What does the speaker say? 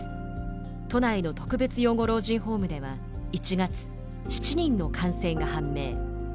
都内の特別養護老人ホームでは１月７人の感染が判明。